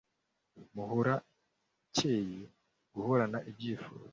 muhorakeye gahorane ibyuzo